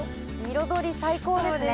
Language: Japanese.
彩り最高ですね